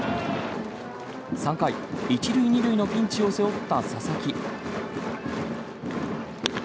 ３回、１塁２塁のピンチを背負った佐々木。